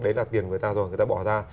đấy là tiền người ta rồi người ta bỏ ra